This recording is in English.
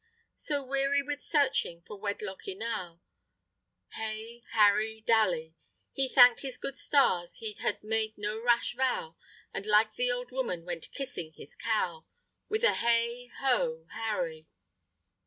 So, weary with searching for wedlock enow, Hey, Harry Dally! He thank'd his good stars he had made no rash vow, And, like the old woman, went kissing his cow, With a hey ho, Harry!